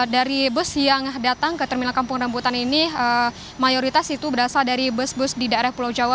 dari bus yang datang ke terminal kampung rambutan ini mayoritas itu berasal dari bus bus di daerah pulau jawa